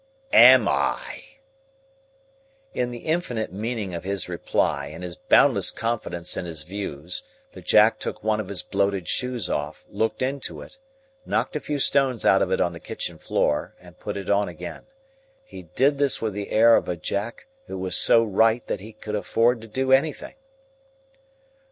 "AM I!" In the infinite meaning of his reply and his boundless confidence in his views, the Jack took one of his bloated shoes off, looked into it, knocked a few stones out of it on the kitchen floor, and put it on again. He did this with the air of a Jack who was so right that he could afford to do anything.